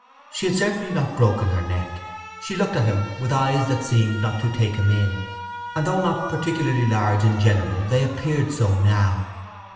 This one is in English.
She had certainly not broken her neck. She looked at him with eyes that seemed not to take him in; and though not particularly large in general they appeared so now.